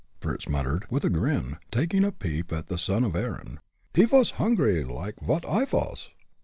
Fritz muttered, with a grin, taking a peep at the son of Erin. "He vas hungry like as vot I vas.